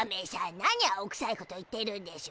なに青くさいこと言ってるんでしゅ。